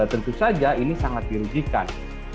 tentu saja ini sangat dirugikan